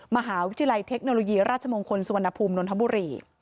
มหาวิทยาลัยเทคโนโลยีราชมงคลสุวรรณภูมินนทบุรี